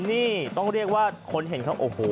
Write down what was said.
นี่ต้องเรียกว่าคนเห็นเขาโอ้โห